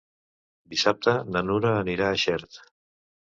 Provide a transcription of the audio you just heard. Dissabte na Nura anirà a Xert.